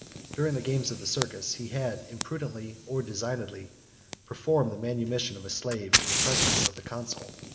During the games of the Circus, he had, imprudently or designedly, performed the manumission of a slave in the presence of the consul.